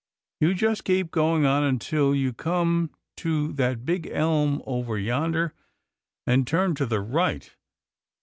You just keep right on until you come to that big elm over yonder, and turn to the right.